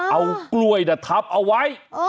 เอากล้วยรถภพเอาไว้